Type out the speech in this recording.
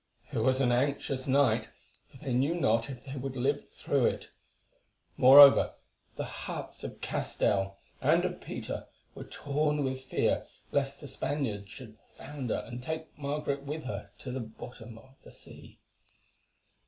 It was an anxious night, for they knew not if they would live through it; moreover, the hearts of Castell and of Peter were torn with fear lest the Spaniard should founder and take Margaret with her to the bottom of the sea.